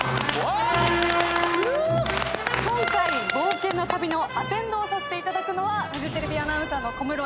今回冒険の旅のアテンドをさせていただくのはフジテレビアナウンサーの小室瑛莉子と申します。